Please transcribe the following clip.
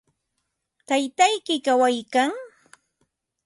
¿Taytayki kawaykan?